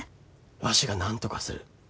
わしがなんとかする。